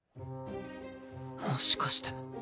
もしかして。